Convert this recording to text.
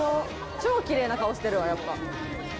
超キレイな顔してるわやっぱ。